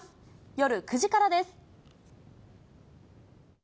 夜９時からです。